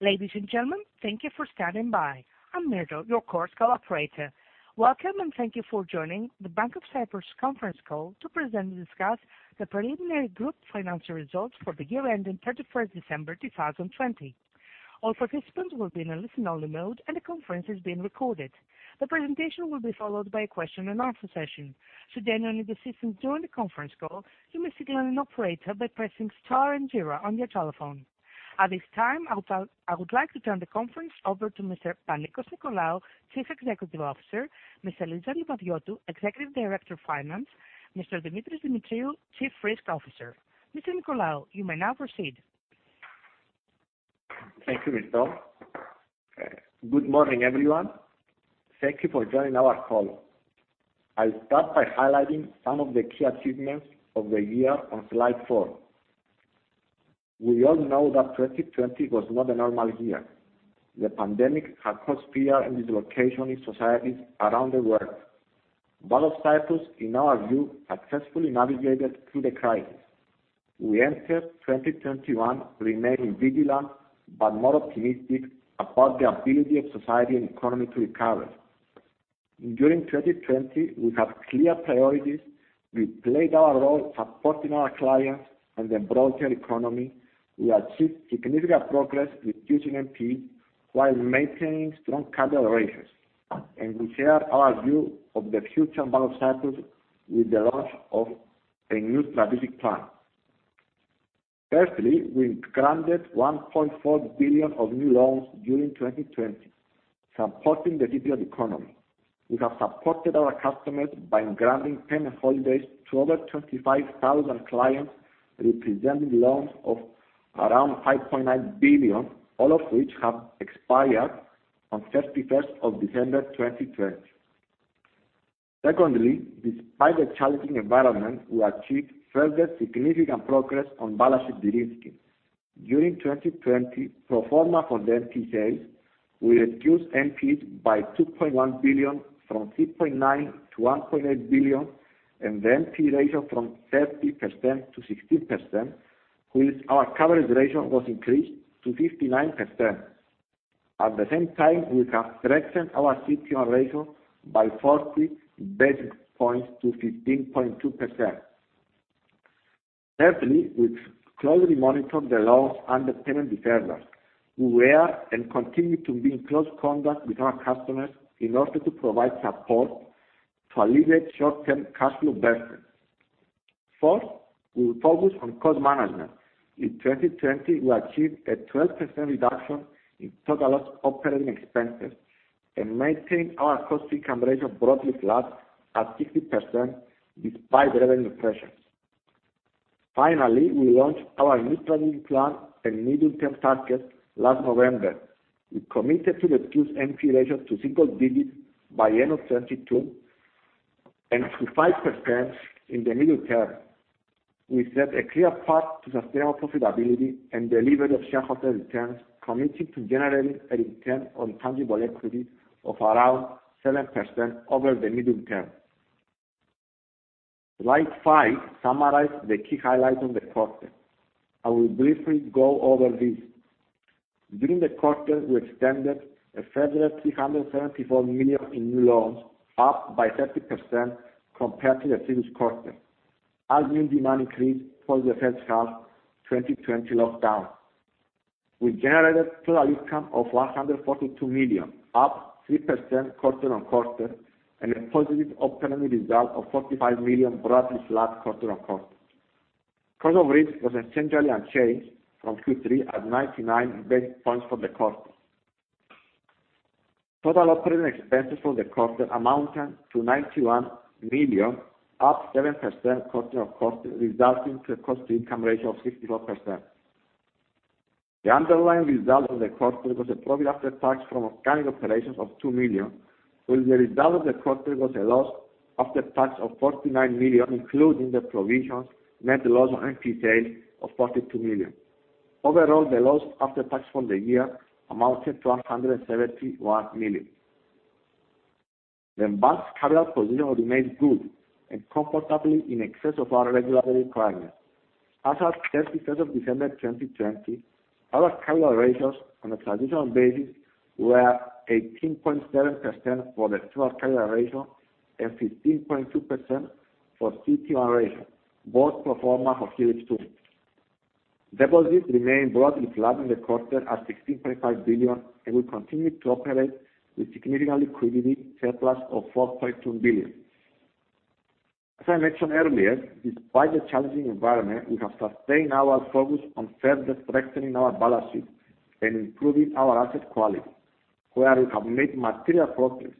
Ladies and gentlemen, thank you for standing by. I'm Myrtle, your Chorus Call operator. Welcome, and thank you for joining the Bank of Cyprus conference call to present and discuss the preliminary group financial results for the year ending December 31st 2020. All participants will be in a listen-only mode, and the conference is being recorded. The presentation will be followed by a question and answer session. Should anyone need assistance during the conference call, you may signal an operator by pressing star and zero on your telephone. At this time, I would like to turn the conference over to Mr. Panicos Nicolaou, Chief Executive Officer, Ms. Eliza Livadiotou, Executive Director Finance, Mr. Demetris Demetriou, Chief Risk Officer. Mr. Nicolaou, you may now proceed. Thank you, Myrtle. Good morning, everyone. Thank you for joining our call. I'll start by highlighting some of the key achievements of the year on slide four. We all know that 2020 was not a normal year. The pandemic had caused fear and dislocation in societies around the world. Bank of Cyprus, in our view, successfully navigated through the crisis. We enter 2021 remaining vigilant but more optimistic about the ability of society and economy to recover. During 2020, we had clear priorities. We played our role supporting our clients and the broader economy. We achieved significant progress with reducing NP while maintaining strong capital ratios, and we shared our view of the future of Bank of Cyprus with the launch of a new strategic plan. Firstly, we granted 1.4 billion of new loans during 2020, supporting the Cypriot economy. We have supported our customers by granting payment holidays to over 25,000 clients, representing loans of around 5.9 billion, all of which have expired on 31st of December 2020. Secondly, despite the challenging environment, we achieved further significant progress on balance sheet delinquencies. During 2020, pro forma for the NP sales, we reduced NP by 2.1 billion from 3.9 billion-1.8 billion, and the NP ratio from 30%-16%, with our coverage ratio was increased to 59%. At the same time, we have strengthened our CET1 ratio by 40 basis points to 15.2%. Thirdly, we closely monitor the loans under payment disturbance. We were and continue to be in close contact with our customers in order to provide support to alleviate short-term cash flow burdens. Fourth, we focus on cost management. In 2020, we achieved a 12% reduction in total operating expenses and maintained our cost-to-income ratio broadly flat at 60% despite revenue pressures. Finally, we launched our new strategic plan and medium-term targets last November. We committed to reduce NP ratio to single digits by end of 2022 and to 5% in the medium term. We set a clear path to sustainable profitability and delivery of shareholder returns, committing to generating a return on tangible equity of around 7% over the medium term. Slide five summarizes the key highlights on the quarter. I will briefly go over these. During the quarter, we extended a further 374 million in new loans, up by 30% compared to the previous quarter, as loan demand increased post the first half 2020 lockdown. We generated total income of 142 million, up 3% quarter-on-quarter, and a positive operating result of 45 million, broadly flat quarter-on-quarter. Cost of risk was essentially unchanged from Q3 at 99 basis points for the quarter. Total operating expenses for the quarter amounted to 91 million, up 7% quarter-on-quarter, resulting to a cost-to-income ratio of 64%. The underlying result of the quarter was a profit after tax from organic operations of 2 million, with the result of the quarter was a loss after tax of 49 million, including the provisions net loss on NP sales of 42 million. Overall, the loss after tax from the year amounted to 171 million. The bank's capital position remains good and comfortably in excess of our regulatory requirements. As at December 31st 2020, our capital ratios on a transitional basis were 18.7% for the total capital ratio and 15.2% for CET1 ratio, both pro forma for Helix 2. Deposits remained broadly flat in the quarter at 16.5 billion, and we continued to operate with significant liquidity surplus of 4.2 billion. As I mentioned earlier, despite the challenging environment, we have sustained our focus on further strengthening our balance sheet and improving our asset quality, where we have made material progress.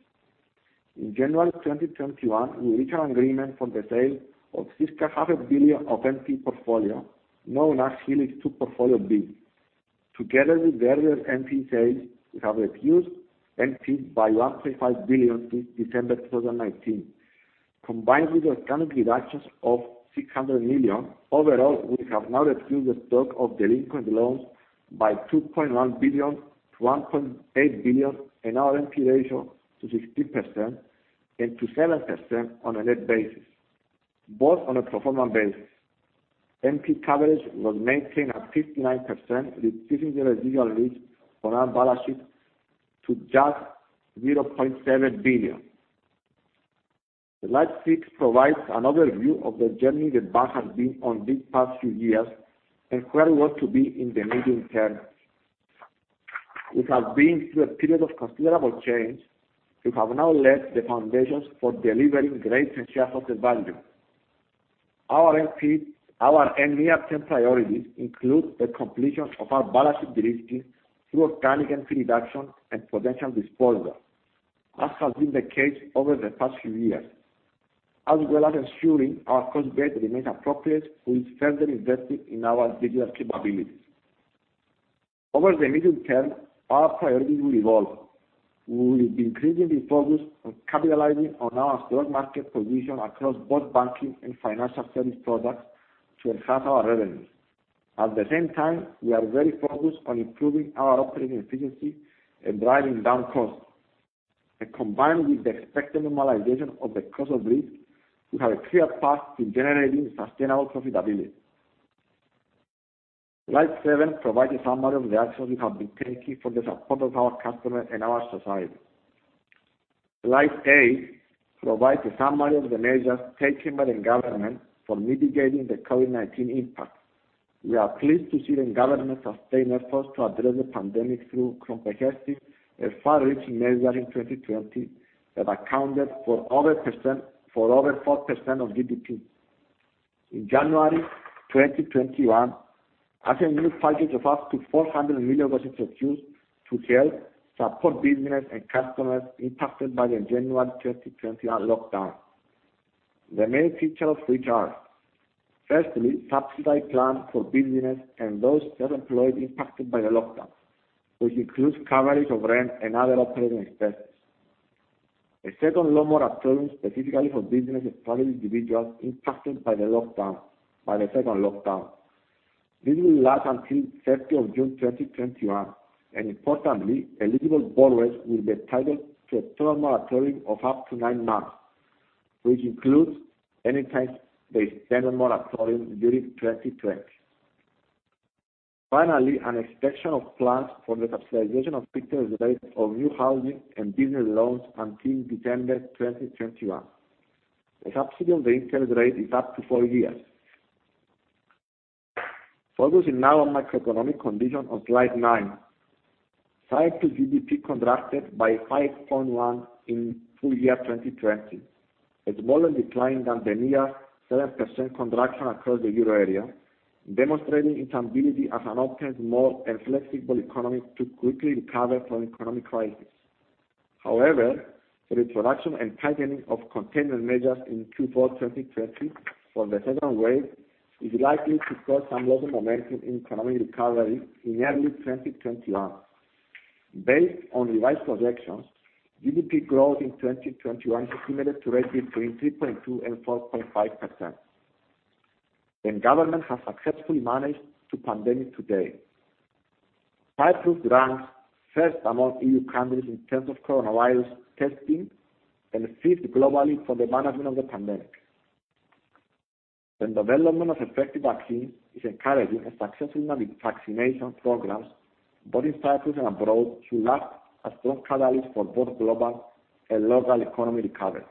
In January 2021, we reached an agreement for the sale of 6.5 billion of NP portfolio, known as Helix 2 Portfolio B. Together with the earlier NP sales, we have reduced NPs by 1.5 billion since December 2019. Combined with organic reductions of 600 million, overall, we have now reduced the stock of delinquent loans by 2.1 billion-1.8 billion and our NP ratio to 16% and to 7% on a net basis, both on a performance basis. NP coverage was maintained at 59%, reducing the residual risk on our balance sheet to just EUR 0.7 billion. Slide six provides an overview of the journey the bank has been on these past few years and where we want to be in the medium term. We have been through a period of considerable change. We have now laid the foundations for delivering greater shareholder value. Our near-term priorities include the completion of our balance sheet de-risking through organic NPL reduction and potential disposal, as has been the case over the past few years, as well as ensuring our cost base remains appropriate with further investing in our digital capabilities. Over the medium term, our priorities will evolve. We will be increasingly focused on capitalizing on our strong market position across both banking and financial service products to enhance our revenues. At the same time, we are very focused on improving our operating efficiency and driving down costs. Combined with the expected normalization of the cost of risk, we have a clear path to generating sustainable profitability. Slide seven provides a summary of the actions we have been taking for the support of our customers and our society. Slide eight provides a summary of the measures taken by the government for mitigating the COVID-19 impact. We are pleased to see the government sustain efforts to address the pandemic through comprehensive and far-reaching measures in 2020 that accounted for over 4% of GDP. In January 2021, as a new package of up to EUR 400 million was introduced to help support business and customers impacted by the January 2021 lockdown. The main features of which are, firstly, subsidized plans for business and those self-employed impacted by the lockdown, which includes coverage of rent and other operating expenses. A second loan moratorium specifically for business and private individuals impacted by the second lockdown. This will last until June 30th, 2021, and importantly, eligible borrowers will be entitled to a total moratorium of up to nine months, which includes any time they spent on moratorium during 2020. Finally, an extension of plans for the subsidization of interest rates on new housing and business loans until December 2021. The subsidy on the interest rate is up to four years. Focusing now on macroeconomic conditions on slide nine. Cyprus' GDP contracted by 5.1% in full year 2020, a smaller decline than the near 7% contraction across the Euro area, demonstrating its ability as an open, small, and flexible economy to quickly recover from economic crisis. However, the reintroduction and tightening of containment measures in Q4 2020 for the second wave is likely to cause some loss of momentum in economic recovery in early 2021. Based on revised projections, GDP growth in 2021 is estimated to range between 3.2% and 4.5%. The government has successfully managed the pandemic to date. Cyprus ranks first among EU countries in terms of coronavirus testing and fifth globally for the management of the pandemic. The development of effective vaccines is encouraging, and successful vaccination programs, both in Cyprus and abroad, should act as strong catalyst for both global and local economy recovery.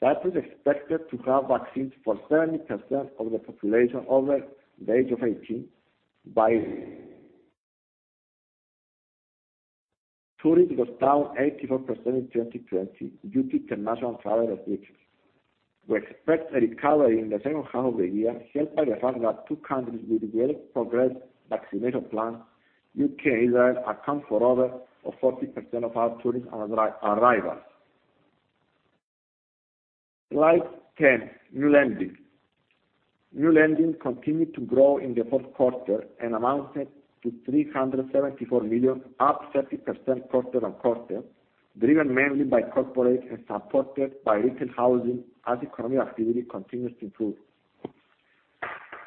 Cyprus is expected to have vaccines for 70% of the population over the age of 18 by. Tourism was down 84% in 2020 due to international travel restrictions. We expect a recovery in the second half of the year, helped by the fact that two countries with very progressed vaccination plans, U.K. and Israel, account for over 40% of our tourism arrivals. Slide 10, new lending. New lending continued to grow in the fourth quarter and amounted to 374 million, up 30% quarter-on-quarter, driven mainly by corporate and supported by retail housing as economic activity continues to improve.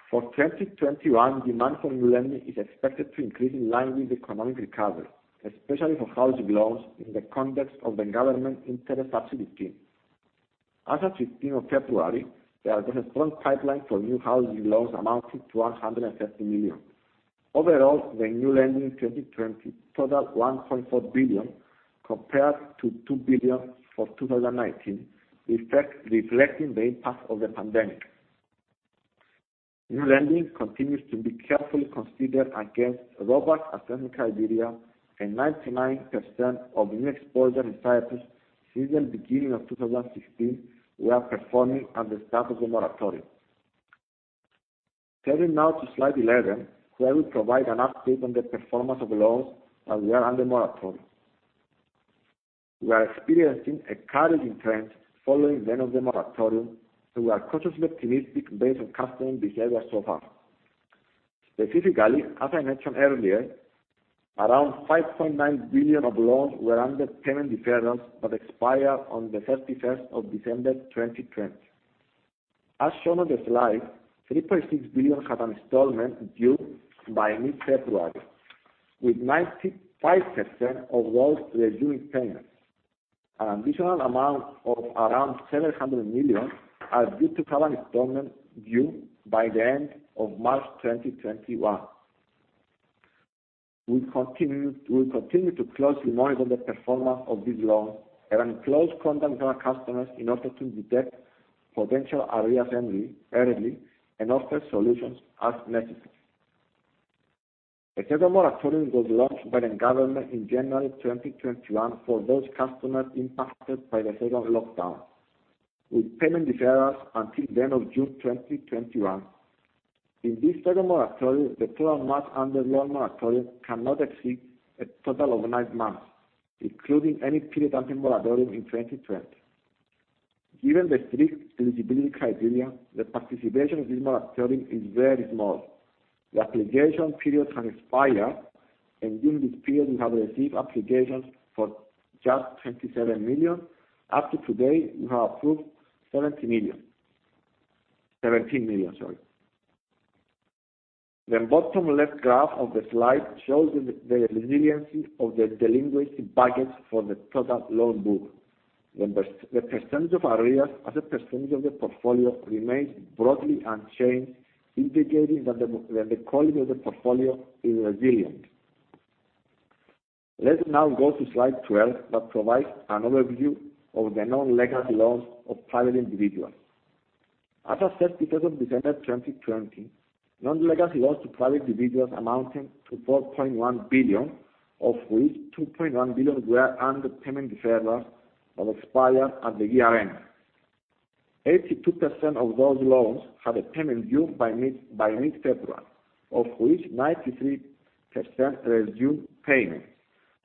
For 2021, demand for new lending is expected to increase in line with the economic recovery, especially for housing loans in the context of the government interest subsidy scheme. As at 15th of February, there is a strong pipeline for new housing loans amounting to 130 million. Overall, the new lending 2020 totaled 1.4 billion compared to 2 billion for 2019, reflecting the impact of the pandemic. New lending continues to be carefully considered against robust underwriting criteria. 99% of new exposures in Cyprus since the beginning of 2016 were performing at the start of the moratorium. Turning now to slide 11, where we provide an update on the performance of loans that were under moratorium. We are experiencing encouraging trends following the end of the moratorium. We are cautiously optimistic based on customer behavior so far. Specifically, as I mentioned earlier, around 5.9 billion of loans were under payment deferrals that expired on the December 31st, 2020. As shown on the slide, 3.6 billion had installment due by mid-February, with 95% of loans resuming payments. An additional amount of around 700 million are due to have an installment due by the end of March 2021. We continue to closely monitor the performance of these loans and are in close contact with our customers in order to detect potential arrears early and offer solutions as necessary. A second moratorium was launched by the government in January 2021 for those customers impacted by the second lockdown, with payment deferrals until the end of June 2021. In this second moratorium, the total months under loan moratorium cannot exceed a total of nine months, including any period under moratorium in 2020. Given the strict eligibility criteria, the participation of this moratorium is very small. The application period has expired, during this period we have received applications for just 27 million. Up to today, we have approved 17 million. The bottom left graph of the slide shows the resiliency of the delinquency buckets for the total loan book. The percentage of arrears as a percentage of the portfolio remains broadly unchanged, indicating that the quality of the portfolio is resilient. Let's now go to slide 12, that provides an overview of the non-legacy loans of private individuals. As at December 31st, 2020, non-legacy loans to private individuals amounted to 4.1 billion, of which 2.1 billion were under payment deferrals that expired at the year end. 82% of those loans had a payment due by mid-February, of which 93% resumed payments,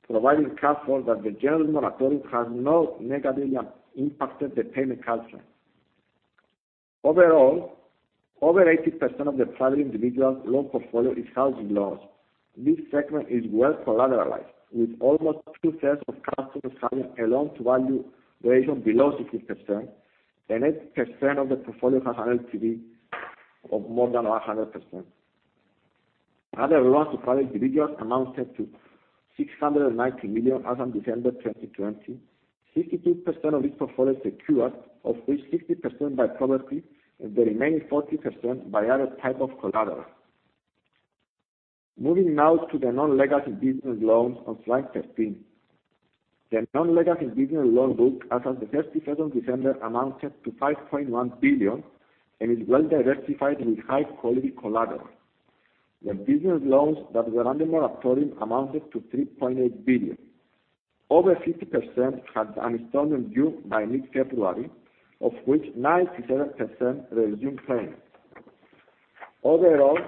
providing comfort that the general moratorium has not negatively impacted the payment culture. Overall, over 80% of the private individual loan portfolio is housing loans. This segment is well collateralized, with almost two-thirds of customers having a loan-to-value ratio below 60%. 8% of the portfolio has an LTV of more than 100%. Other loans to private individuals amounted to 690 million as of December 2020, 62% of this portfolio secured, of which 60% by property and the remaining 40% by other type of collateral. Moving now to the non-legacy business loans on slide 13. The non-legacy business loan book as at the December 31st amounted to 5.1 billion, and is well diversified with high-quality collateral. The business loans that were under moratorium amounted to 3.8 billion. Over 50% had an installment due by mid-February, of which 97% resumed payments. Overall,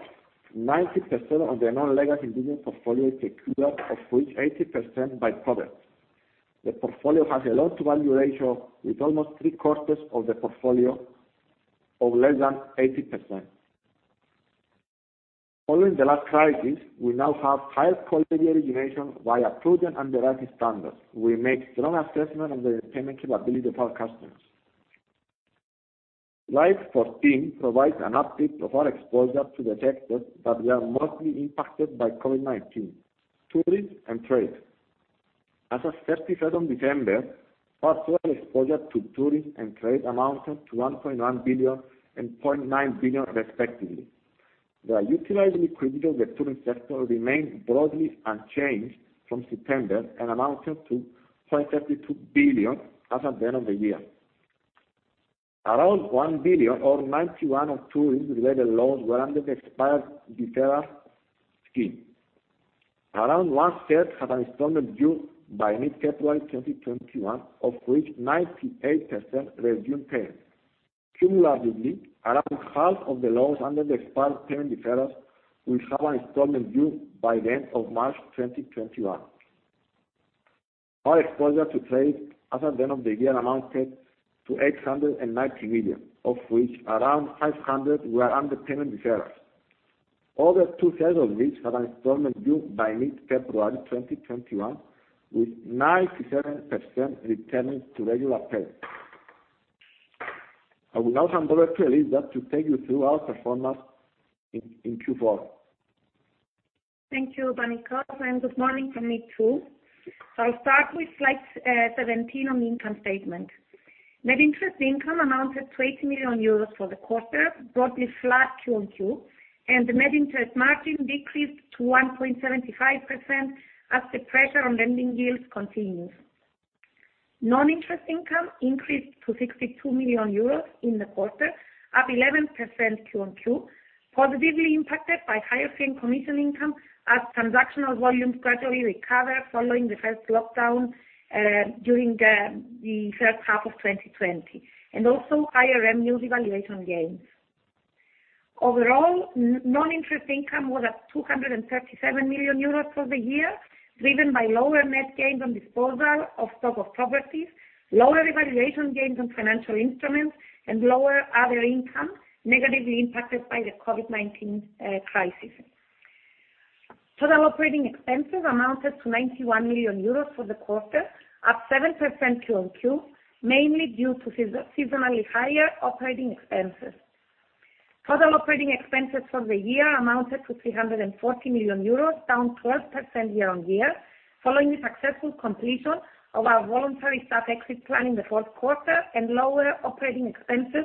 90% of the non-legacy business portfolio is secured, of which 80% by property. The portfolio has a loan-to-value ratio with almost three-quarters of the portfolio of less than 80%. Following the last crisis, we now have higher quality origination via prudent underwriting standards. We make strong assessment of the payment capability of our customers. Slide 14 provides an update of our exposure to the sectors that were mostly impacted by COVID-19, tourism and trade. As at December 31st, our total exposure to tourism and trade amounted to 1.1 billion and 0.9 billion respectively. The utilized liquidity of the tourism sector remained broadly unchanged from September and amounted to 4.32 billion as at the end of the year. Around 1 billion or 91% of tourism-related loans were under the expired deferral scheme. Around one-third had an installment due by mid-February 2021, of which 98% resumed payments. Cumulatively, around half of the loans under the expired payment deferrals will have an installment due by the end of March 2021. Our exposure to trade as at the end of the year amounted to 890 million, of which around 500 were under payment deferrals. Over two-thirds of which had an installment due by mid-February 2021, with 97% returning to regular payments. I will now hand over to Eliza, just to take you through our performance in Q4. Thank you, Panicos, good morning from me, too. I'll start with slide 17 on the income statement. Net interest income amounted to 80 million euros for the quarter, broadly flat Q on Q. The net interest margin decreased to 1.75% as the pressure on lending yields continues. Non-interest income increased to 62 million euros in the quarter, up 11% Q on Q, positively impacted by higher fee and commission income as transactional volumes gradually recover following the first lockdown during the first half of 2020, and also higher revenue revaluation gains. Overall, non-interest income was at 237 million euros for the year, driven by lower net gains on disposal of stock of properties, lower revaluation gains on financial instruments, and lower other income, negatively impacted by the COVID-19 crisis. Total operating expenses amounted to 91 million euros for the quarter, up 7% Q on Q, mainly due to seasonally higher operating expenses. Total operating expenses for the year amounted to 340 million euros, down 12% year-on-year following the successful completion of our voluntary staff exit plan in the fourth quarter and lower operating expenses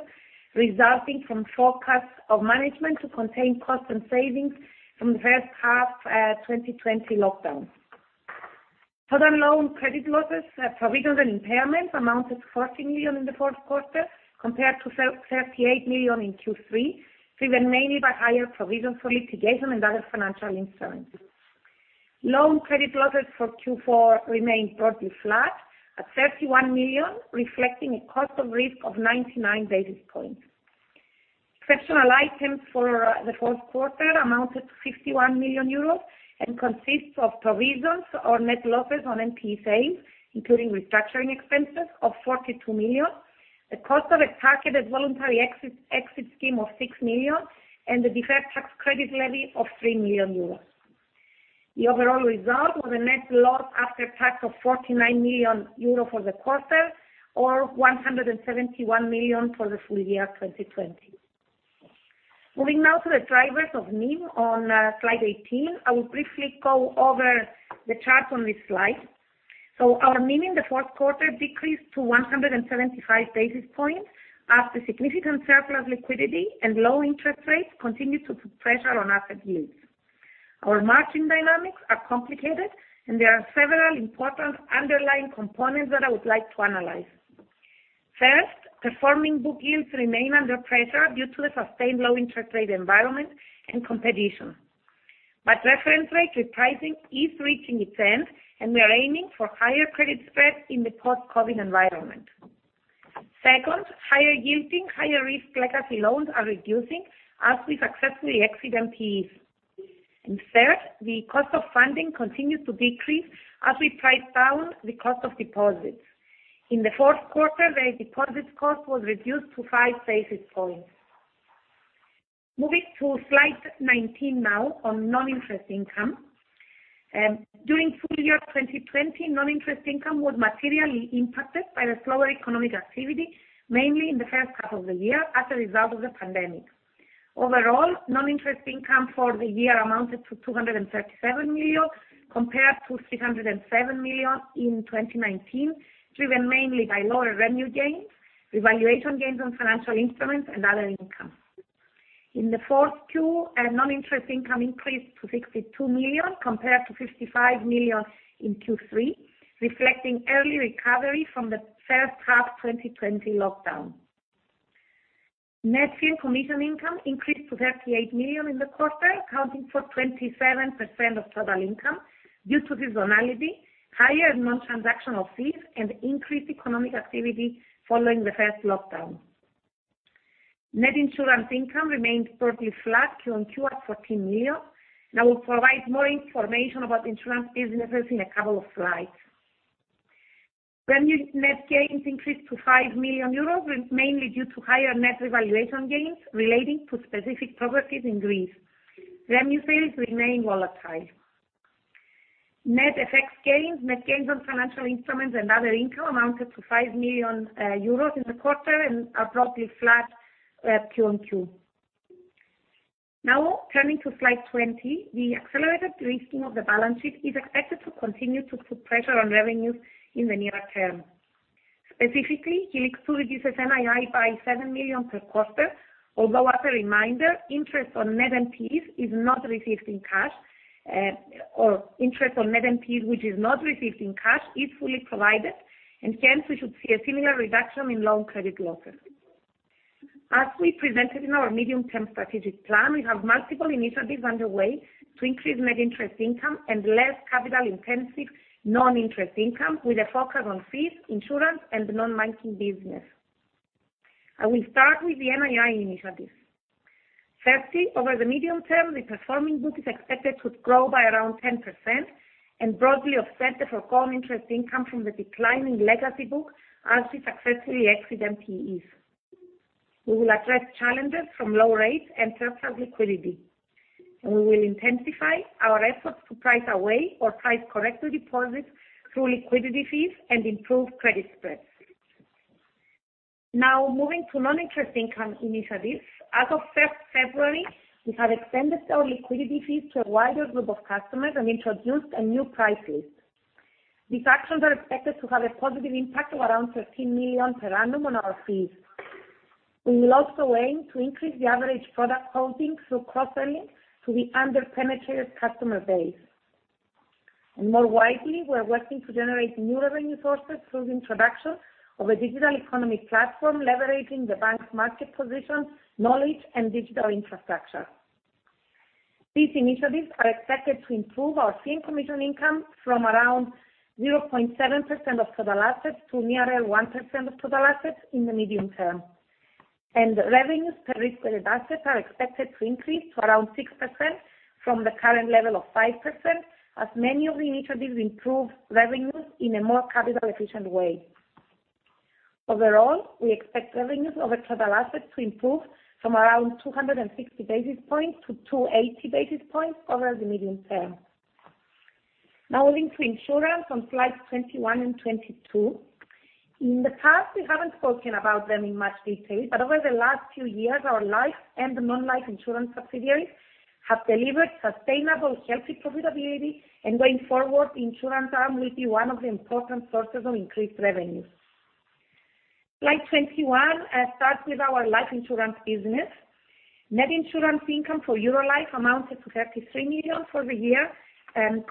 resulting from forecasts of management to contain costs and savings from the first half 2020 lockdown. Total loan credit losses, provisions, and impairments amounted to 40 million in the fourth quarter compared to 38 million in Q3, driven mainly by higher provisions for litigation and other financial instruments. Loan credit losses for Q4 remained broadly flat at 31 million, reflecting a cost of risk of 99 basis points. Exceptional items for the fourth quarter amounted to 51 million euros and consists of provisions or net losses on NPE sales, including restructuring expenses of 42 million, the cost of a targeted Voluntary Exit Scheme of 6 million, and the deferred tax credit levy of 3 million euros. The overall result was a net loss after tax of 49 million euros for the quarter, or 171 million for the full year 2020. Moving now to the drivers of NIM on slide 18. I will briefly go over the chart on this slide. Our NIM in the fourth quarter decreased to 175 basis points as the significant surplus liquidity and low interest rates continued to put pressure on asset yields. Our margin dynamics are complicated, and there are several important underlying components that I would like to analyze. First, performing book yields remain under pressure due to a sustained low interest rate environment and competition. Reference rate repricing is reaching its end, and we are aiming for higher credit spreads in the post-COVID environment. Second, higher yielding higher-risk legacy loans are reducing as we successfully exit NPEs. Third, the cost of funding continued to decrease as we priced down the cost of deposits. In the fourth quarter, the deposit cost was reduced to five basis points. Moving to slide 19 now on non-interest income. During full year 2020, non-interest income was materially impacted by the slower economic activity, mainly in the first half of the year as a result of the pandemic. Overall, non-interest income for the year amounted to 237 million, compared to 307 million in 2019, driven mainly by lower revenue gains, revaluation gains on financial instruments, and other income. In the fourth Q, our non-interest income increased to 62 million, compared to 55 million in Q3, reflecting early recovery from the first half 2020 lockdown. Net fee and commission income increased to 38 million in the quarter, accounting for 27% of total income due to seasonality, higher non-transactional fees, and increased economic activity following the first lockdown. Net insurance income remained fairly flat Q on Q at 14 million, and I will provide more information about insurance businesses in a couple of slides. Revenue net gains increased to 5 million euros, mainly due to higher net revaluation gains relating to specific properties in Greece. Revenue sales remain volatile. Net FX gains, net gains on financial instruments and other income amounted to 5 million euros in the quarter and are broadly flat Q on Q. Turning to slide 20. The accelerated de-risking of the balance sheet is expected to continue to put pressure on revenues in the near term. Specifically, Helix 2 reduces NII by 7 million per quarter, although as a reminder, interest on net NPEs is not received in cash, or interest on net NPEs, which is not received in cash, is fully provided, and hence we should see a similar reduction in loan credit losses. As we presented in our medium term strategic plan, we have multiple initiatives underway to increase net interest income and less capital-intensive non-interest income with a focus on fees, insurance, and non-banking business. I will start with the NII initiatives. Firstly, over the medium term, the performing book is expected to grow by around 10% and broadly offset the core non-interest income from the declining legacy book as we successfully exit NPEs. We will address challenges from low rates and surplus liquidity. We will intensify our efforts to price away or price correctly deposits through liquidity fees and improved credit spreads. Now moving to non-interest income initiatives. As of 1st February, we have extended our liquidity fees to a wider group of customers and introduced a new price list. These actions are expected to have a positive impact of around 13 million per annum on our fees. We will also aim to increase the average product holding through cross-selling to the under-penetrated customer base. More widely, we're working to generate new revenue sources through the introduction of a digital economy platform, leveraging the bank's market position, knowledge, and digital infrastructure. These initiatives are expected to improve our fee and commission income from around 0.7% of total assets to nearer 1% of total assets in the medium term. Revenues per risk-weighted assets are expected to increase to around 6% from the current level of 5%, as many of the initiatives improve revenues in a more capital-efficient way. Overall, we expect revenues over total assets to improve from around 260 basis points-280 basis points over the medium term. Moving to insurance on slides 21 and 22. Over the past, we haven't spoken about them in much detail, but over the last few years, our life and non-life insurance subsidiaries have delivered sustainable, healthy profitability. Going forward, insurance arm will be one of the important sources of increased revenue. Slide 21 starts with our life insurance business. Net insurance income for Eurolife amounted to 33 million for the year,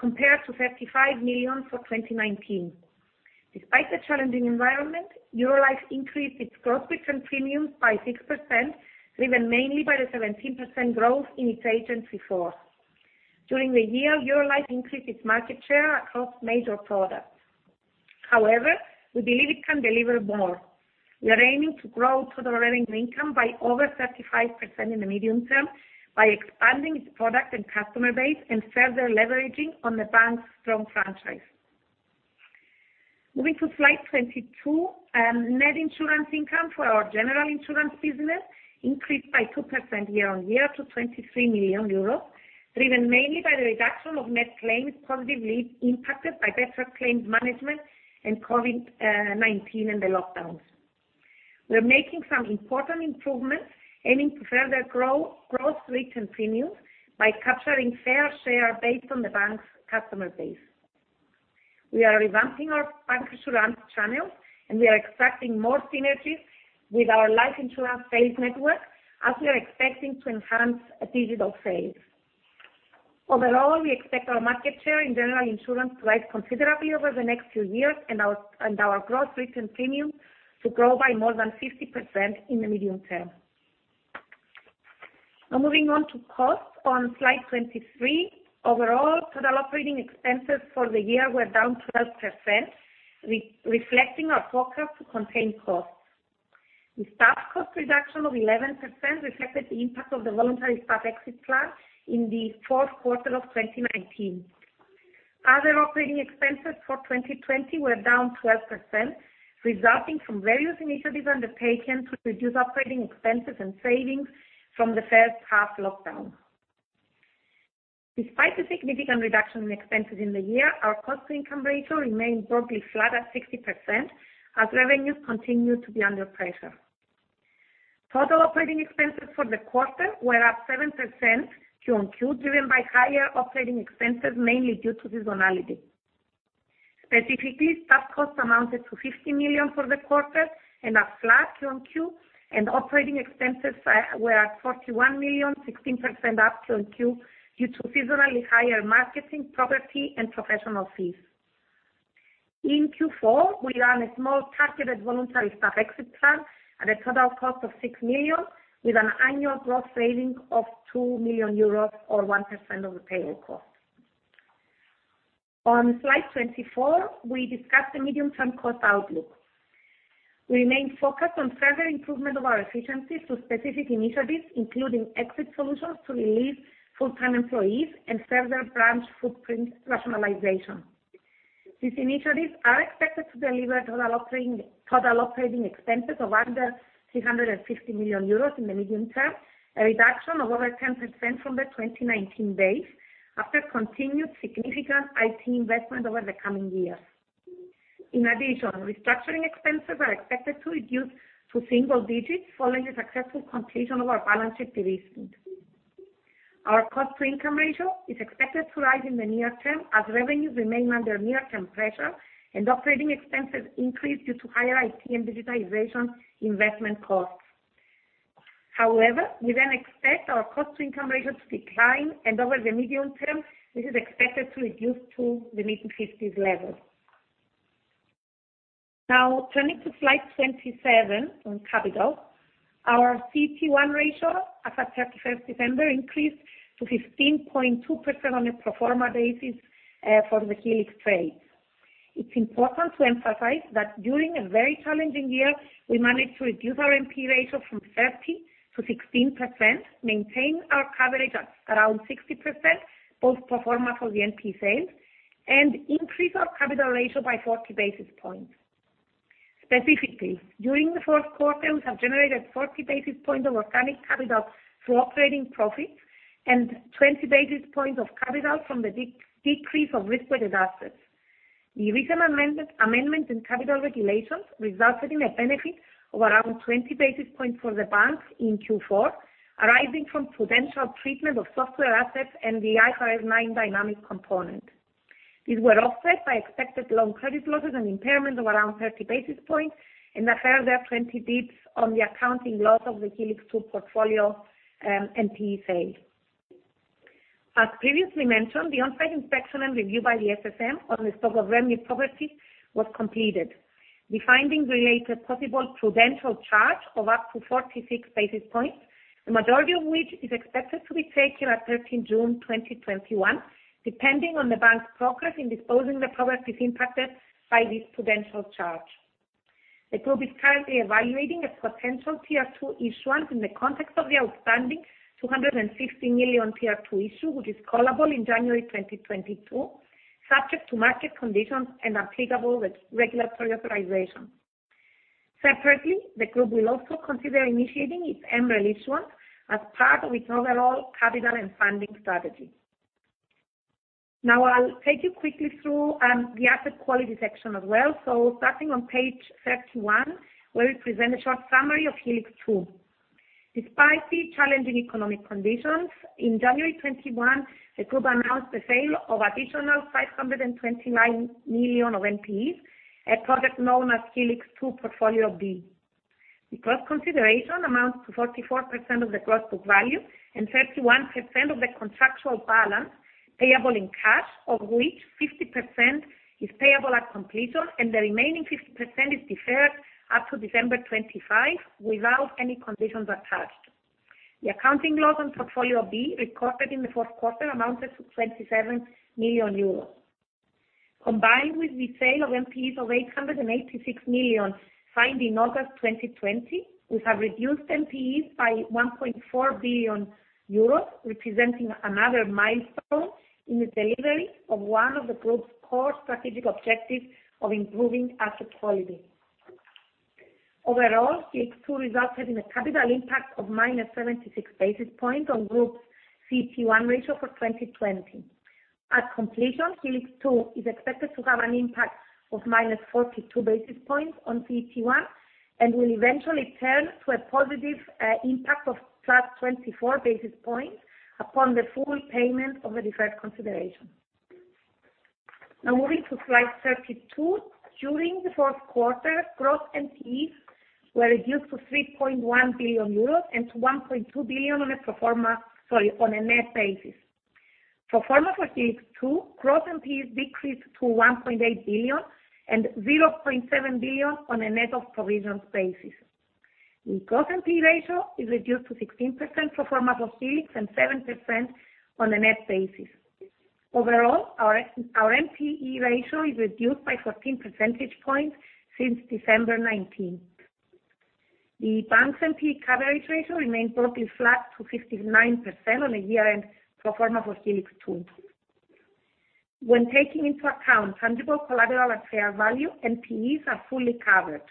compared to 35 million for 2019. Despite the challenging environment, Eurolife increased its gross written premiums by 6%, driven mainly by the 17% growth in its agency force. During the year, Eurolife increased its market share across major products. However, we believe it can deliver more. We are aiming to grow total revenue income by over 35% in the medium term by expanding its product and customer base and further leveraging on the Bank's strong franchise. Moving to slide 22, net insurance income for our general insurance business increased by 2% year-on-year to 23 million euros, driven mainly by the reduction of net claims positively impacted by better claims management and COVID-19 and the lockdowns. We are making some important improvements, aiming to further grow gross written premium by capturing fair share based on the Bank's customer base. We are revamping our bancassurance channel, and we are expecting more synergies with our life insurance sales network as we are expecting to enhance digital sales. Overall, we expect our market share in general insurance to rise considerably over the next few years and our gross written premium to grow by more than 50% in the medium term. Now moving on to costs on slide 23. Overall, total operating expenses for the year were down 12%, reflecting our focus to contain costs. The staff cost reduction of 11% reflected the impact of the Voluntary Staff Exit Plan in the fourth quarter of 2019. Other operating expenses for 2020 were down 12%, resulting from various initiatives undertaken to reduce operating expenses and savings from the first half lockdown. Despite the significant reduction in expenses in the year, our cost-to-income ratio remained broadly flat at 60% as revenues continued to be under pressure. Total operating expenses for the quarter were up 7% Q on Q, driven by higher operating expenses, mainly due to seasonality. Specifically, staff costs amounted to 50 million for the quarter and are flat Q on Q, and operating expenses were at 41 million, 16% up Q on Q, due to seasonally higher marketing, property, and professional fees. In Q4, we ran a small targeted voluntary staff exit plan at a total cost of 6 million, with an annual gross saving of 2 million euros or 1% of the payroll cost. On slide 24, we discuss the medium-term cost outlook. We remain focused on further improvement of our efficiencies through specific initiatives, including exit solutions to release full-time employees and further branch footprint rationalization. These initiatives are expected to deliver total operating expenses of under 350 million euros in the medium term, a reduction of over 10% from the 2019 base after continued significant IT investment over the coming years. In addition, restructuring expenses are expected to reduce to single digits following the successful completion of our balance sheet de-risking. Our cost-to-income ratio is expected to rise in the near term as revenues remain under near-term pressure and operating expenses increase due to higher IT and digitalization investment costs. However, we then expect our cost-to-income ratio to decline, and over the medium term, this is expected to reduce to the mid-50s level. Now turning to slide 27 on capital. Our CET1 ratio as at December 31st increased to 15.2% on a pro forma basis for the Helix sale. It's important to emphasize that during a very challenging year, we managed to reduce our NP ratio from 30%-16%, maintain our coverage at around 60%, both pro forma for the NP sale, and increase our capital ratio by 40 basis points. Specifically, during the fourth quarter, we have generated 40 basis points of organic capital through operating profit and 20 basis points of capital from the decrease of risk-weighted assets. The recent amendment in capital regulations resulted in a benefit of around 20 basis points for the bank in Q4, arising from prudential treatment of software assets and the IFRS 9 dynamic component. These were offset by expected loan credit losses and impairment of around 30 basis points and a further 20 basis points on the accounting loss of the Helix 2 portfolio NPE sale. As previously mentioned, the on-site inspection and review by the SSM on the stock of REMU properties was completed. The findings related possible prudential charge of up to 46 basis points, the majority of which is expected to be taken at June 30th, 2021, depending on the bank's progress in disposing the properties impacted by this prudential charge. The group is currently evaluating a potential Tier 2 issuance in the context of the outstanding 250 million Tier 2 issue, which is callable in January 2022, subject to market conditions and applicable regulatory authorization. The group will also consider initiating its MREL issuance as part of its overall capital and funding strategy. I'll take you quickly through the asset quality section as well. Starting on page 31, where we present a short summary of Helix 2. Despite the challenging economic conditions, in January 21, the group announced the sale of additional 529 million of NPEs, a project known as Helix 2 Portfolio B. The gross consideration amounts to 44% of the gross book value and 31% of the contractual balance payable in cash, of which 50% is payable at completion, and the remaining 50% is deferred up to December 25 without any conditions attached. The accounting loss on Portfolio B recorded in the fourth quarter amounted to 27 million euros. Combined with the sale of NPEs of 886 million signed in August 2020, we have reduced NPEs by 1.4 billion euros, representing another milestone in the delivery of one of the group's core strategic objectives of improving asset quality. Overall, Helix 2 resulted in a capital impact of minus 76 basis points on group CET1 ratio for 2020. At completion, Helix 2 is expected to have an impact of -42 basis points on CET1 and will eventually turn to a positive impact of +24 basis points upon the full payment of the deferred consideration. Moving to slide 32. During the fourth quarter, gross NPEs were reduced to 3.1 billion euros and to 1.2 billion on a net basis. Pro forma for Helix 2, gross NPEs decreased to 1.8 billion and 0.7 billion on a net of provisions basis. The gross NPE ratio is reduced to 16% pro forma for Helix and 7% on a net basis. Overall, our NPE ratio is reduced by 14 percentage points since December 2019. The bank's NPE coverage ratio remains broadly flat to 59% on a year-end pro forma for Helix 2. When taking into account tangible collateral at fair value, NPEs are fully covered.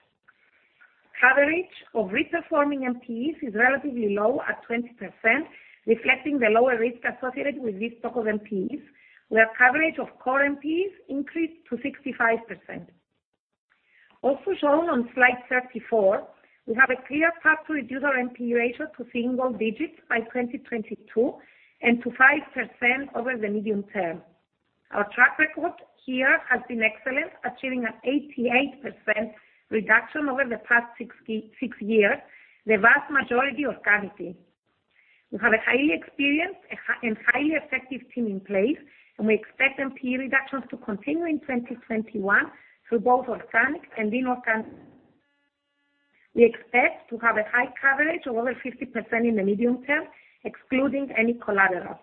Coverage of risk performing NPEs is relatively low at 20%, reflecting the lower risk associated with this stock of NPEs, where coverage of core NPEs increased to 65%. Shown on slide 34, we have a clear path to reduce our NPE ratio to single digits by 2022 and to 5% over the medium term. Our track record here has been excellent, achieving an 88% reduction over the past six years, the vast majority of it. We have a highly experienced and highly effective team in place, and we expect NPE reductions to continue in 2021 through both organic and inorganic. We expect to have a high coverage of over 50% in the medium term, excluding any collateral.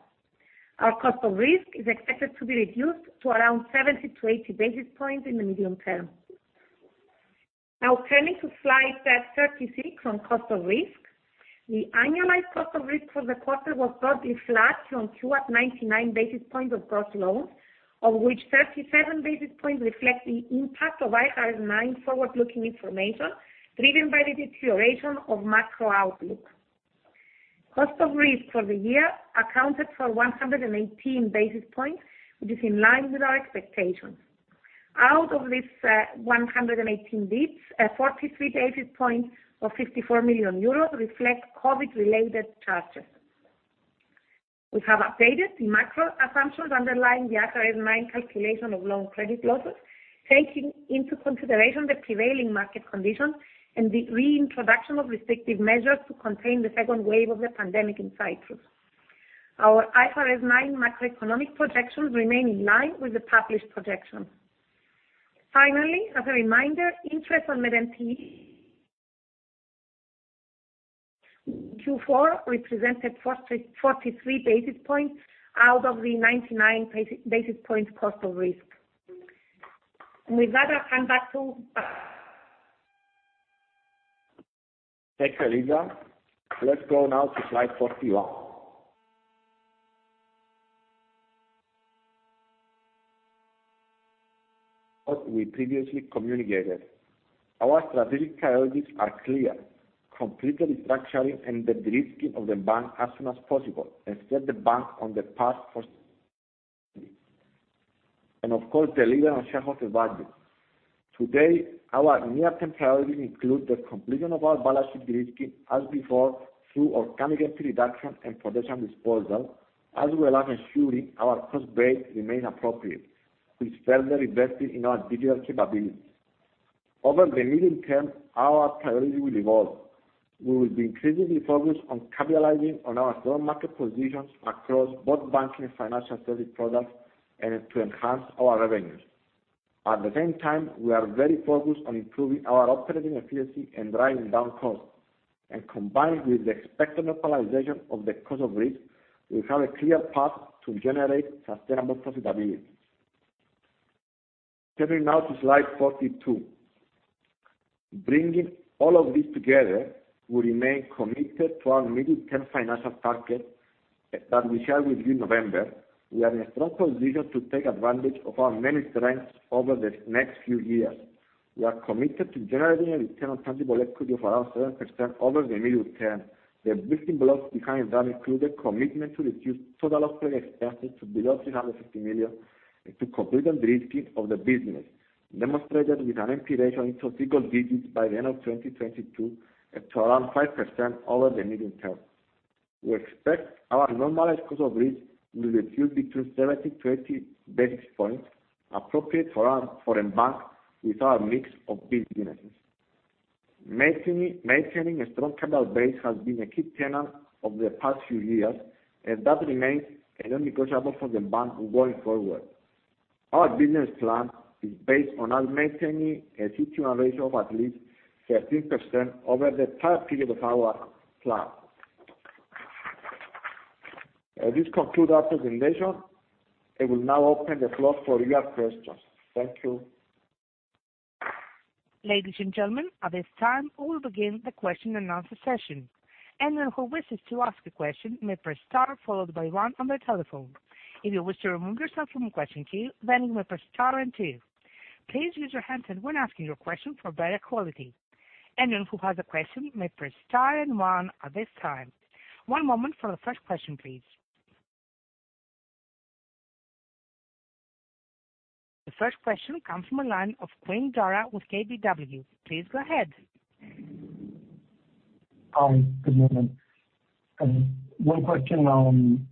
Our cost of risk is expected to be reduced to around 70-80 basis points in the medium term. Turning to slide 36 on cost of risk. The annualized cost of risk for the quarter was broadly flat from Q at 99 basis points of gross loans, of which 37 basis points reflect the impact of IFRS 9 forward-looking information, driven by the deterioration of macro outlook. Cost of risk for the year accounted for 118 basis points, which is in line with our expectations. Out of this 118 basis points, 43 basis points or 54 million euros reflect COVID-related charges. We have updated the macro assumptions underlying the IFRS 9 calculation of loan credit losses, taking into consideration the prevailing market conditions and the reintroduction of restrictive measures to contain the second wave of the pandemic in Cyprus. Our IFRS 9 macroeconomic projections remain in line with the published projections. Finally, as a reminder, interest on the NPE. Q4 represented 43 basis points out of the 99 basis points cost of risk. With that, I hand back to Panicos. Thanks, Eliza. Let's go now to slide 41. What we previously communicated. Our strategic priorities are clear: complete the restructuring and the de-risking of the bank as soon as possible and set the bank on the path for sustainability. Of course, deliver on shareholder value. Today, our near-term priorities include the completion of our balance sheet de-risking as before, through organic NPE reduction and potential disposals, as well as ensuring our cost base remains appropriate, with further investing in our digital capabilities. Over the medium term, our priority will evolve. We will be increasingly focused on capitalizing on our strong market positions across both banking and financial service products and to enhance our revenues. At the same time, we are very focused on improving our operating efficiency and driving down costs. Combined with the expected normalization of the cost of risk, we have a clear path to generate sustainable profitability. Turning now to slide 42. Bringing all of this together, we remain committed to our medium-term financial targets that we share with you November. We are in a strong position to take advantage of our many strengths over the next few years. We are committed to generating a return on tangible equity of around 7% over the medium term. The building blocks behind that include a commitment to reduce total operating expenses to below 350 million, and to complete the de-risking of the business, demonstrated with an NPE ratio into single digits by the end of 2022, and to around 5% over the medium term. We expect our normalized cost of risk will reduce between 70-80 basis points appropriate for a bank with our mix of businesses. Maintaining a strong capital base has been a key tenet of the past few years, and that remains a non-negotiable for the bank going forward. Our business plan is based on us maintaining a CET1 ratio of at least 13% over the entire period of our plan. This concludes our presentation. I will now open the floor for your questions. Thank you. Ladies and gentlemen, at this time, we will begin the question and answer session. Anyone who wishes to ask a question may press star followed by one on their telephone. If you wish to remove yourself from the question queue, then you may press star and two. Please raise your hand when asking your question for better quality. Anyone who has a question may press star and one at this time. One moment for the first question, please. The first question comes from the line of Quinn Daragh with KBW. Please go ahead. Hi, good morning. One question on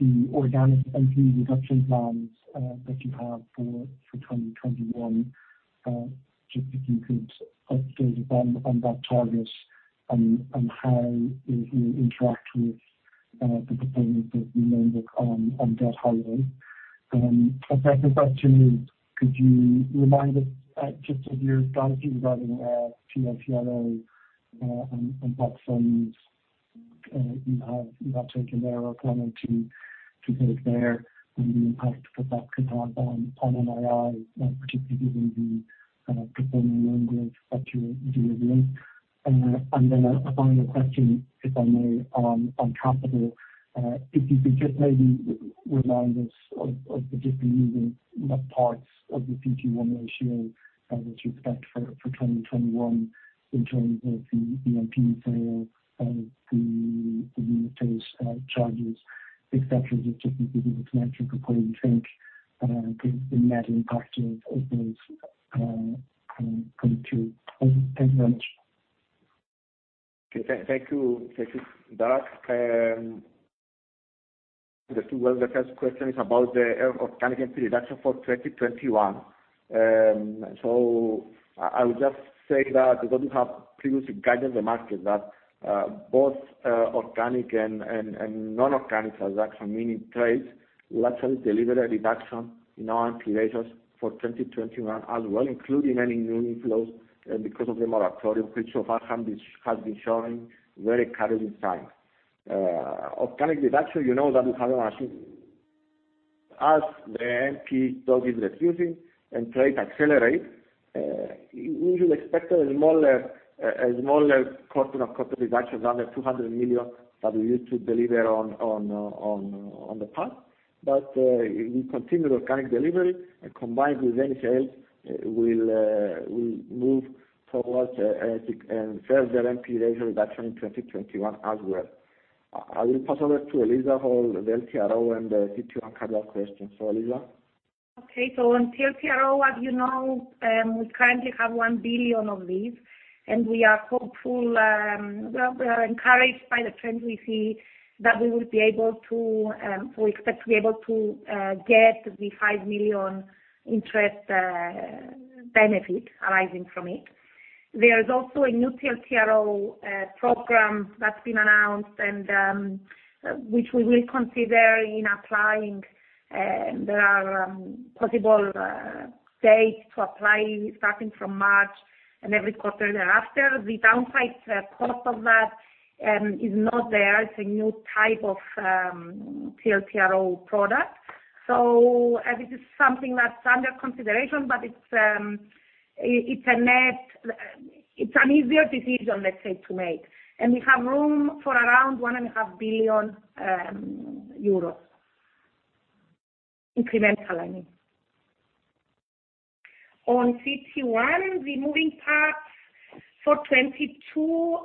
the organic NPE reduction plans that you have for 2021. Just if you could update us on that target and how it will interact with the performance that you mentioned on debt holiday. A second question is, could you remind us just of your guidance regarding TLTRO, and what funds you have taken there or planning to take there, and the impact that that could have on NII, particularly given the performing loan growth that you revealed? A final question, if I may, on capital. If you could just maybe remind us of the different moving parts of the CET1 ratio that you expect for 2021 in terms of the NPE sale, the unitase charges, et cetera, just given the financial reporting, thank you. Thanks very much. Thank you. Thank you, Daragh. The first question is about the organic NPE reduction for 2021. I would just say that because we have previously guided the market that both organic and non-organic transaction, meaning trades, will actually deliver a reduction in our NPE ratios for 2021 as well, including any new inflows because of the moratorium, which so far has been showing very encouraging signs. Organic reduction, you know that we have as the NPE stock is reducing and trades accelerate, we should expect a smaller cost of reduction, under 200 million that we used to deliver on the past. We continue the organic delivery, combined with any sales, we'll move towards a further NPE ratio reduction in 2021 as well. I will pass over to Eliza for the TLTRO and the CET1 capital question. Eliza? On TLTRO, as you know, we currently have 1 billion of these, and we are hopeful, well, we are encouraged by the trends we see that we expect to be able to get the 5 million interest benefit arising from it. There is also a new TLTRO program that's been announced, which we will consider in applying. There are possible dates to apply, starting from March and every quarter thereafter. The downside cost of that is not there. It's a new type of TLTRO product. This is something that's under consideration, but it's an easier decision, let's say, to make. We have room for around 1.5 billion euros. Incremental, I mean. On CET1, the moving parts for 2022,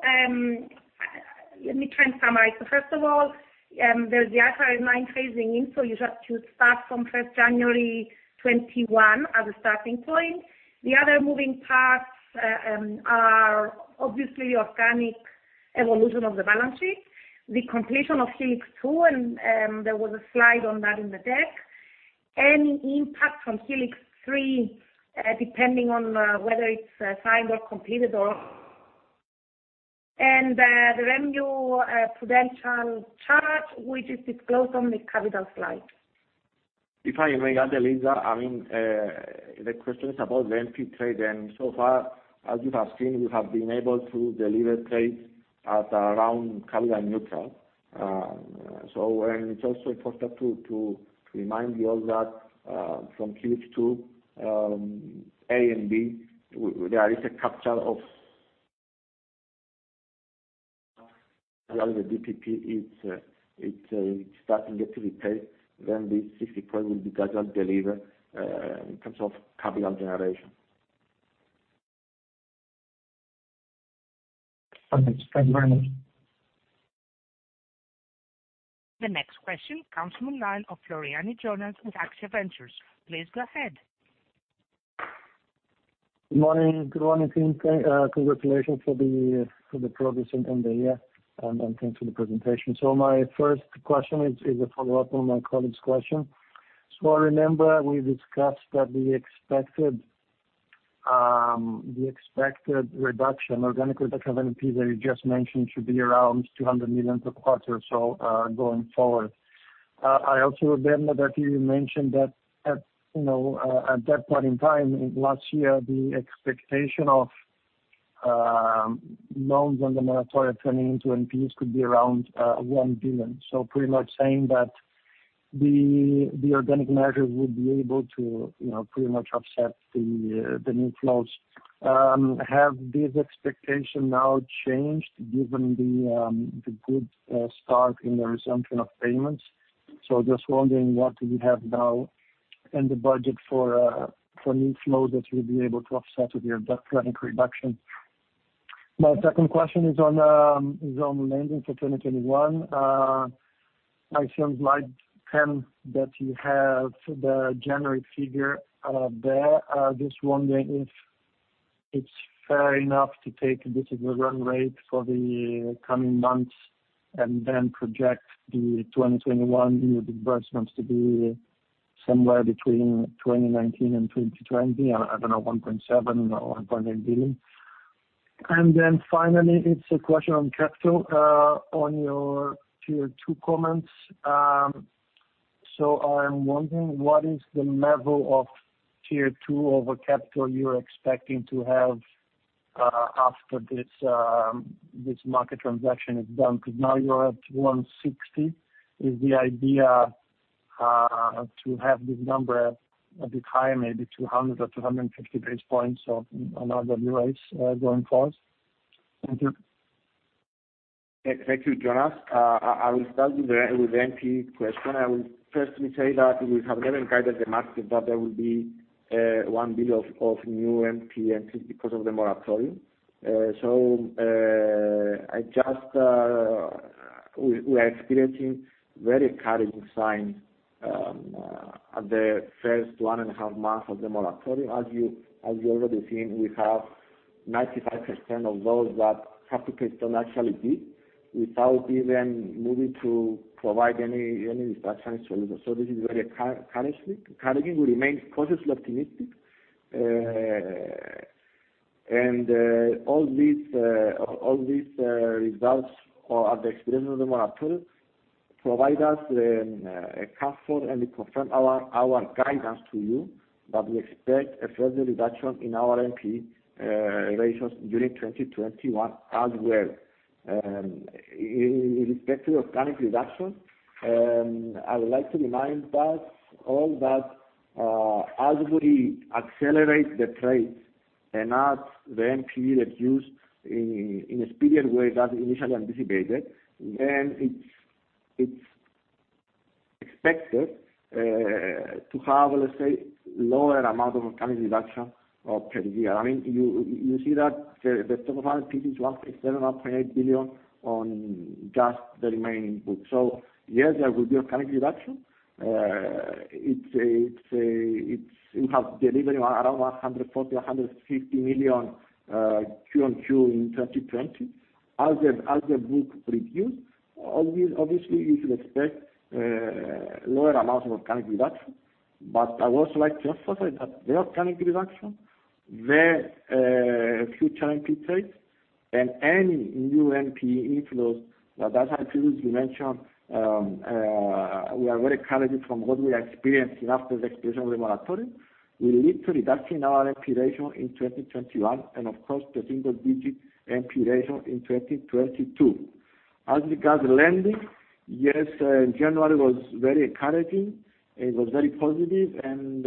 let me try and summarize. First of all, there's the IFRS 9 phasing in. You have to start from January 1st, 2021 as a starting point. The other moving parts are obviously organic evolution of the balance sheet, the completion of Helix 2, and there was a slide on that in the deck. Any impact from Helix 3, depending on whether it's signed or completed or not. The REMU prudential charge, which is disclosed on the capital slide. If I may add, Eliza, the question is about the NPE trade. So far, as you have seen, we have been able to deliver trades at around capital neutral. It's also important to remind you all that from Helix 2 A and B, there is a capture of the DPP. It's starting get to be paid, this 50 points will be gradually delivered, in terms of capital generation. Okay. Thank you very much. The next question comes from the line of Floriani Jonas with AXIA Ventures. Please go ahead. Good morning team. Congratulations for the progress in the year, and thanks for the presentation. My first question is a follow-up on my colleague's question. I remember we discussed that the expected reduction, organic reduction NPE that you just mentioned, should be around 200 million per quarter or so, going forward. I also remember that you mentioned that at that point in time, last year, the expectation of loans on the moratoria turning into NPEs could be around 1 billion. Pretty much saying that the organic measures would be able to pretty much offset the new flows. Have these expectations now changed given the good start in the resumption of payments? Just wondering, what do we have now in the budget for new flow that will be able to offset with the organic reduction? My second question is on lending for 2021. I found slide 10 that you have the January figure there. Wondering if it's fair enough to take a bit of a run rate for the coming months and then project the 2021 new disbursements to be somewhere between 2019 and 2020, I don't know, 1.7 billion or 1.8 billion. Finally, it's a question on capital, on your Tier 2 comments. I'm wondering, what is the level of Tier 2 over capital you're expecting to have after this market transaction is done? Because now you're at 160. Is the idea to have this number a bit higher, maybe 200 or 250 basis points on our RWAs going forward? Thank you. Thank you, Jonas. I will start with the NPE question. I will firstly say that we have never guided the market that there will be 1 billion of new NPE entry because of the moratoria. We are experiencing very encouraging signs at the first one and a half month of the moratoria. As you already seen, we have 95% of those that have to pay still actually did, without even needing to provide any instructions for this. This is very encouraging. We remain cautiously optimistic. All these results at the experience of the moratoria provide us a comfort and they confirm our guidance to you that we expect a further reduction in our NPE ratios during 2021 as well. In respect to the organic reduction, I would like to remind us all that as we accelerate the trades and as the NPE reduce in a speedier way than initially anticipated, then it's expected to have, let's say, lower amount of organic reduction per year. You see that the stock of NPE is 1.7 billion or 1.8 billion on just the remaining book. Yes, there will be organic reduction. You have delivery around 140 million, 150 million Q on Q in 2020. As the book reduce, obviously you should expect lower amounts of organic reduction. I would also like to emphasize that the organic reduction, the future NPE trades, and any new NPE inflows, that as I previously mentioned, we are very encouraged from what we are experiencing after the expiration of the moratoria, will lead to reducing our NPE ratio in 2021, and of course, to single-digit NPE ratio in 2022. As regards to lending, yes, January was very encouraging, and it was very positive, and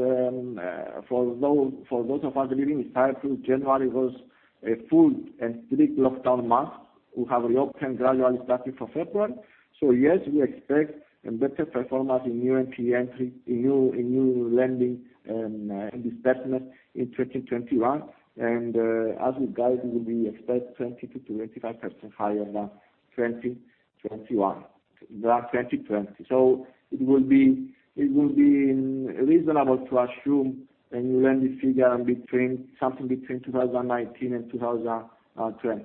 for those of us living in Cyprus, January was a full and strict lockdown month. We have reopened gradually starting from February. Yes, we expect a better performance in new lending and disbursements in 2021. As we guide, we expect 20%-25% higher than 2020. It will be reasonable to assume a new lending figure something between 2019 and 2020.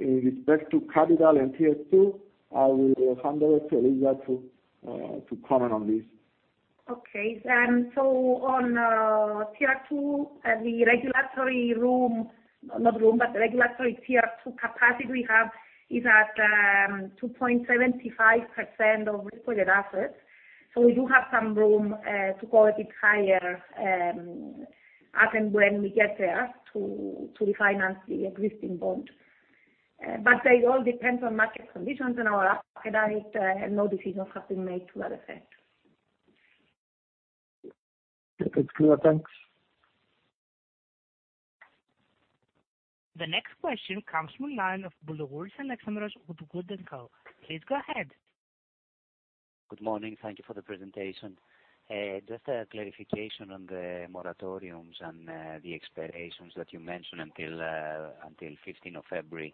In respect to capital and Tier 2, I will hand over to Eliza to comment on this. Okay. On Tier 2, the regulatory Tier 2 capacity we have is at 2.75% of risk-weighted assets. We do have some room to go a bit higher, as and when we get there to refinance the existing bond. It all depends on market conditions and our appetite, and no decisions have been made to that effect. It's clear. Thanks. The next question comes from the line of Boulougouris Alexandros with Wood & Co. Please go ahead. Good morning. Thank you for the presentation. Just a clarification on the moratoriums and the expirations that you mentioned until February 15th.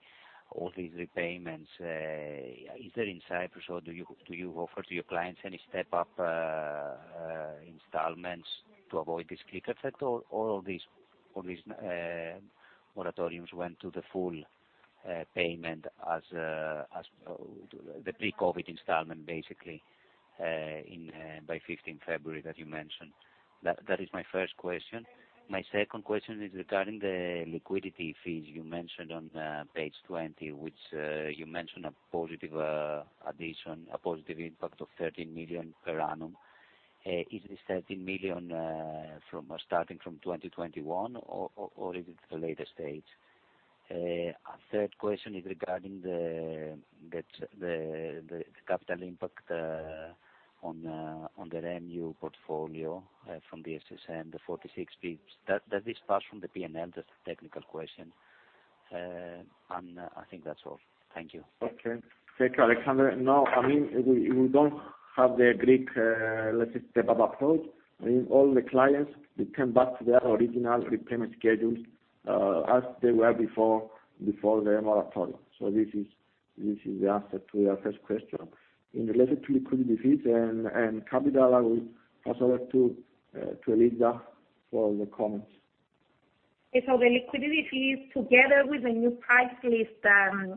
All these repayments, is there in Cyprus, or do you offer to your clients any step-up installments to avoid this cliff effect, or all these moratoriums went to the full payment as the pre-COVID installment, basically, by February 15 that you mentioned? That is my first question. My second question is regarding the liquidity fees you mentioned on page 20, which you mentioned a positive addition, a positive impact of 13 million per annum. Is this 13 million starting from 2021, or is it at a later stage? Third question is regarding the capital impact on the REMU portfolio from the SSM, the 46 basis points. Does this pass from the P&L? Just a technical question. I think that's all. Thank you. Okay. Thank you, Alexandros. No, we don't have the Greek, let's say, step-up approach. All the clients return back to their original repayment schedules as they were before the moratorium. This is the answer to your first question. In relation to liquidity fees and capital, I will pass over to Eliza for the comments. Yes. The liquidity fees, together with the new price list,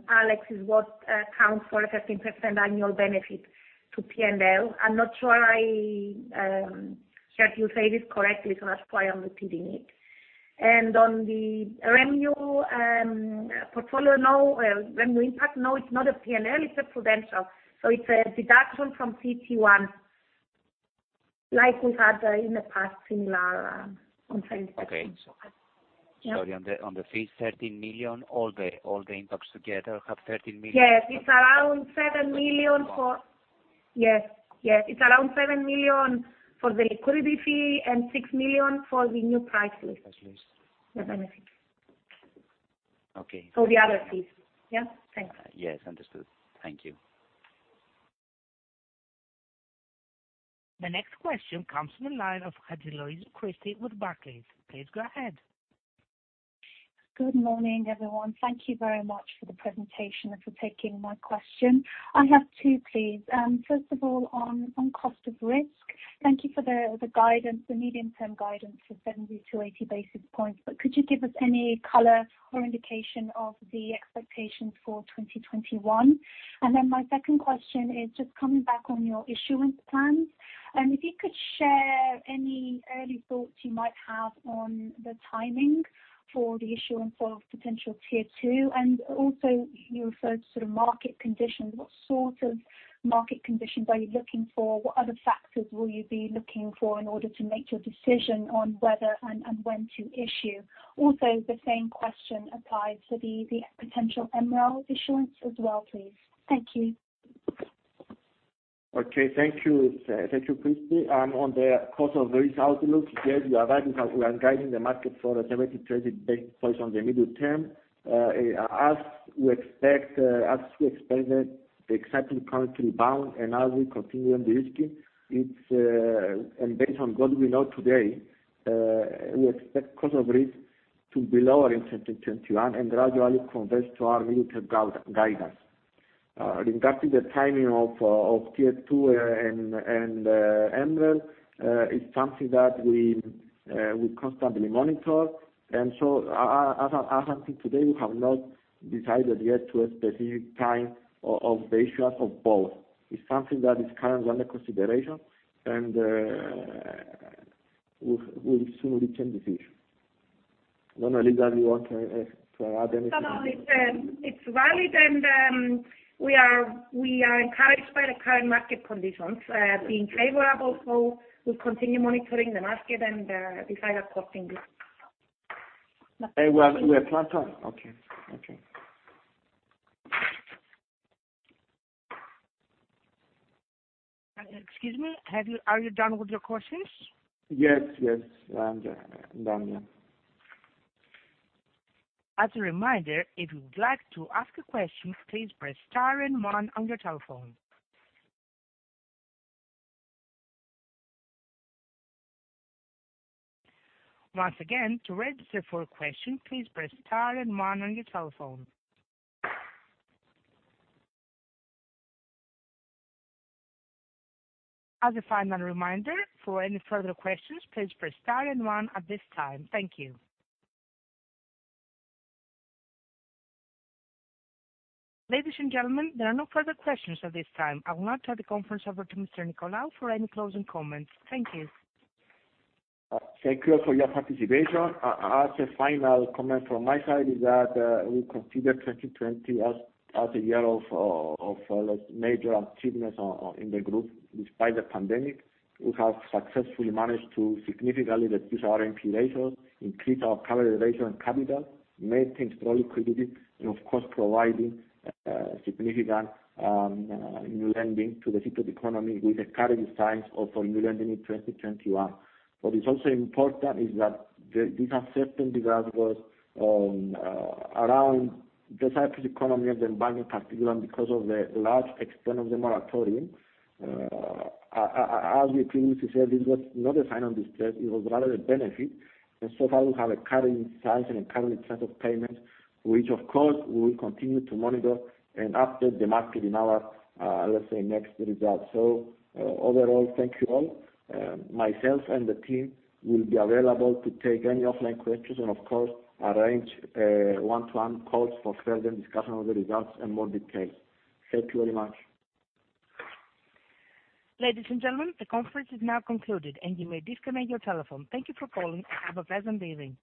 Alex, is what accounts for a 13% annual benefit to P&L. I'm not sure I heard you say this correctly, so that's why I'm repeating it. On the REMU impact, no, it's not a P&L, it's a prudential, so it's a deduction from CET1, like we've had in the past, similar on 2015. Okay. Sorry, on the fees, 13 million, all the impacts together have 13 million? Yes. It's around 7 million. Wow. Yes. It's around 7 million for the liquidity fee and 6 million for the new price list. Price list. The benefit. Okay. For the other fees. Yeah? Thank you. Yes, understood. Thank you. The next question comes from the line of [Hadjiloucas Kristy] with Barclays. Please go ahead. Good morning, everyone. Thank you very much for the presentation and for taking my question. I have two, please. First of all, on cost of risk, thank you for the medium-term guidance for 70-80 basis points. Could you give us any color or indication of the expectations for 2021? My second question is just coming back on your issuance plans, if you could share any early thoughts you might have on the timing for the issuance of potential Tier 2. You referred to market conditions. What sort of market conditions are you looking for? What other factors will you be looking for in order to make your decision on whether and when to issue? The same question applies to the potential MREL issuance as well, please. Thank you. Okay, thank you. Thank you, Kristy. On the cost of risk outlook, yes, you are right. We are guiding the market for 70-80 basis points on the medium term. As we expected, the cycle comes to rebound, and as we continue de-risking, and based on what we know today, we expect cost of risk to be lower in 2021 and gradually converge to our medium-term guidance. Regarding the timing of Tier 2 and MREL, it's something that we constantly monitor. As I think today, we have not decided yet to a specific time of the issuance of both. It's something that is currently under consideration, and we'll soon reach a decision. Eliza, do you want to add anything? No. It's valid, and we are encouraged by the current market conditions being favorable, so we'll continue monitoring the market and decide accordingly. We are platform? Okay. Excuse me, are you done with your questions? Yes. I'm done, yeah. As a reminder, if you would like to ask a question, please press star and one on your telephone. Once again, to register for a question, please press star and one on your telephone. As a final reminder, for any further questions, please press star and one at this time. Thank you. Ladies and gentlemen, there are no further questions at this time. I will now turn the conference over to Mr. Nicolaou for any closing comments. Thank you. Thank you all for your participation. As a final comment from my side is that we consider 2020 as a year of major achievements in the group, despite the pandemic. We have successfully managed to significantly reduce our NPL ratios, increase our coverage ratio and capital, maintain strong liquidity, and of course, providing significant new lending to the Cypriot economy with a current size of new lending in 2021. What is also important is that these uncertainties revolves around the Cyprus economy and the bank in particular because of the large extent of the moratorium. As we previously said, this was not a sign of distress, it was rather a benefit, and so far, we have a current size and a current set of payments, which of course, we will continue to monitor and update the market in our, let's say, next results. Overall, thank you all. Myself and the team will be available to take any offline questions and of course, arrange one-to-one calls for further discussion of the results in more detail. Thank you very much. Ladies and gentlemen, the conference is now concluded, and you may disconnect your telephone. Thank you for calling. Have a pleasant evening.